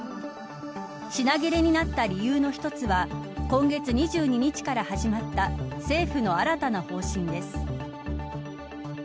品切れになった理由の一つは今月２０日から始まった政府の新たな方針です。